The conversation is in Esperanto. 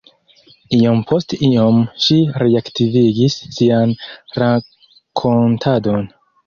Iom post iom ŝi reaktivigis sian rakontadon: